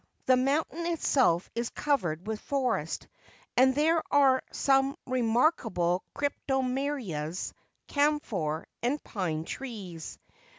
The mountain itself is covered with forest, and there are some remarkable cryptomerias, camphor and pine trees.